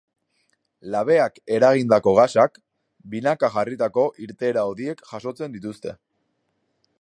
Labeak eragindako gasak, binaka jarritako irteera-hodiek jasotzen dituzte.